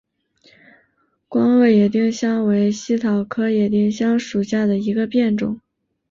光萼野丁香为茜草科野丁香属下的一个变种。